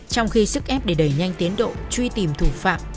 trong khi sức ép để đẩy nhanh tiến độ truy tìm thủ phạm